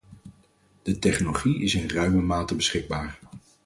De technologie is in ruime mate beschikbaar.